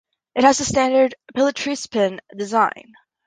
It has the standard pillar-trispan design.